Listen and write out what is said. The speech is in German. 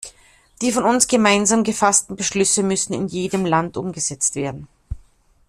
Die von uns gemeinsam gefassten Beschlüsse müssen in jedem Land umgesetzt werden.